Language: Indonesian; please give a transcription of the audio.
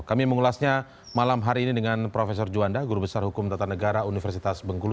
kami mengulasnya malam hari ini dengan profesor juanda guru besar hukum tata negara universitas bengkulu